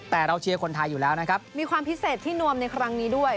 แต่เราเชียร์คนไทยอยู่แล้วนะครับมีความพิเศษที่นวมในครั้งนี้ด้วย